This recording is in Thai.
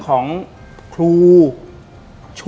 ดิงกระพวน